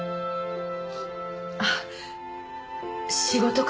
あっ仕事かと。